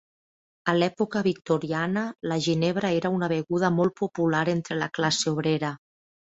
A l'època victoriana la ginebra era una beguda molt popular entre la classe obrera.